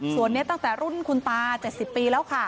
ส่วนนี้ตั้งแต่รุ่นคุณตา๗๐ปีแล้วค่ะ